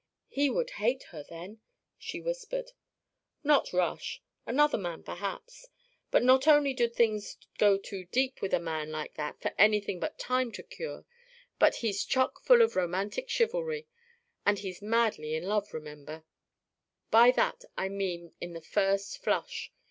"He would hate her then," she whispered. "Not Rush. Another man, perhaps; but not only do things go too deep with a man like that for anything but time to cure, but he's chock full of romantic chivalry. And he's madly in love, remember; by that I mean in the first flush.